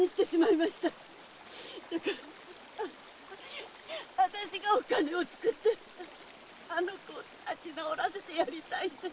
だから私がお金をつくりあの子を立ち直らせてやりたいんです。